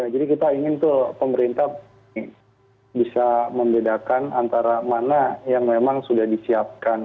jadi kita ingin pemerintah bisa membedakan antara mana yang memang sudah disiapkan